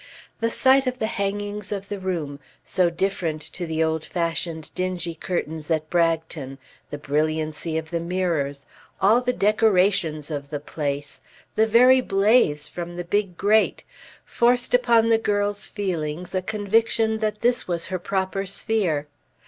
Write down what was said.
The sight of the hangings of the room, so different to the old fashioned dingy curtains at Bragton, the brilliancy of the mirrors, all the decorations of the place, the very blaze from the big grate, forced upon the girl's feelings a conviction that this was her proper sphere.